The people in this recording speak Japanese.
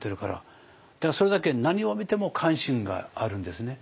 だからそれだけ何を見ても関心があるんですね。